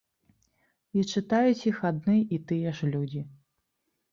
І чытаюць іх адны і тыя ж людзі.